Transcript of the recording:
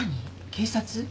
警察？